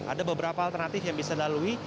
ada beberapa alternatif yang bisa dilalui